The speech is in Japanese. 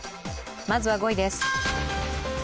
まずは５位です。